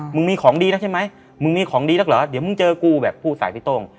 มึงมีของดีแล้วใช่ไหมมึงมีของดีแล้วเหรอเดี๋ยวมึงเจอกูแบบพูดใส่พี่โต้ง